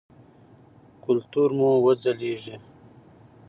کلتور مو وځلیږي.